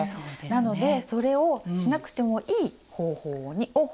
なのでそれをしなくてもいい方法を使いました。